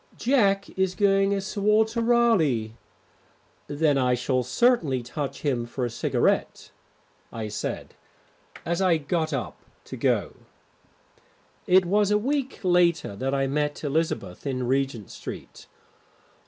"Jack is going as Sir Walter Raleigh." "Then I shall certainly touch him for a cigarette," I said, as I got up to go. It was a week later that I met Elizabeth in Regent Street.